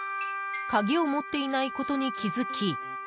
鍵を持っていないことに気付き